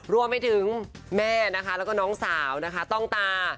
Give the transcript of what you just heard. รวมไปถึงแม่นะคะแล้วก็น้องสาวนะคะต้องตา